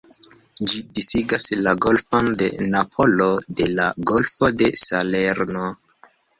Ĝi disigas la Golfon de Napolo de la Golfo de Salerno.